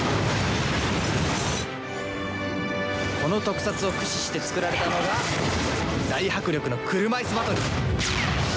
この特撮を駆使して作られたのが大迫力の車いすバトル。